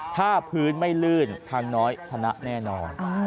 ถ้าพื้นไม่ลื่นพังน้อยชนะแน่นอน